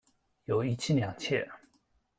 有一妻两妾。